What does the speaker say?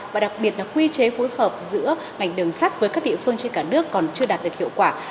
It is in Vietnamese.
và đặc biệt là quy chế phối hợp giữa ngành đường sắt với các địa phương trên cả nước còn chưa đạt được hiệu quả